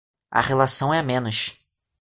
A relação é a menos